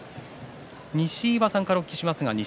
西岩さんからお聞きします。